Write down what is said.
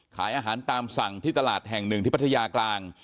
ขายอาหารตามสั่งที่ตลาดแห่งหนึ่งที่พัทยากลาง